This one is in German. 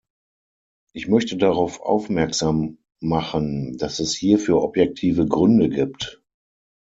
Ich möchte darauf aufmerksam machen, dass es hierfür objektive Gründe gibt.